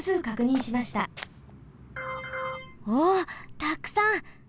おったくさん。